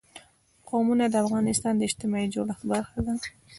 قومونه د افغانستان د اجتماعي جوړښت برخه ده.